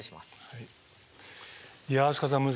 はい。